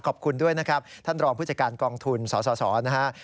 ขอบคุณด้วยนะครับท่านรองผู้จัดการกองทุนสสนะฮะ